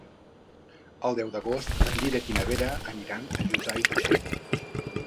El deu d'agost en Dídac i na Vera aniran a Josa i Tuixén.